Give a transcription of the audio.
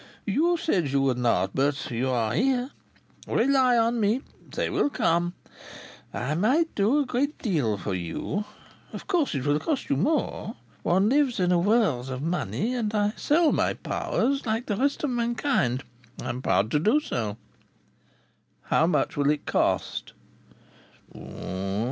"You said you would not. But you are here. Rely on me. They will come. I might do a great deal for you. Of course it will cost you more. One lives in a world of money, and I sell my powers, like the rest of mankind. I am proud to do so." "How much will it cost?"